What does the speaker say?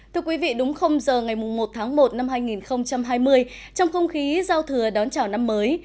thưa quý vị đúng giờ ngày một tháng một năm hai nghìn hai mươi trong không khí giao thừa đón chào năm mới